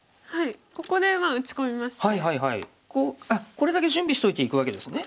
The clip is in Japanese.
これだけ準備しといていくわけですね。